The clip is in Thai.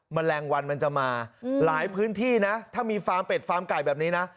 แมลงวันมันจะมาหลายพื้นที่นะถ้ามีฟาร์มเป็ดฟาร์มไก่แบบนี้นะ